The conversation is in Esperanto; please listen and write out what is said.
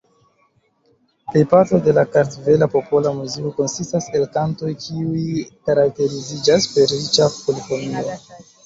Plejparto de la kartvela popola muziko konsistas el kantoj kiuj karakteriziĝas per riĉa polifonio.